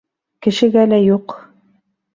Кешегә лә юҡ.